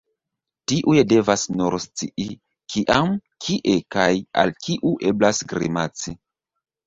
Tiuj devas nur scii, kiam, kie, kaj al kiu eblas grimaci.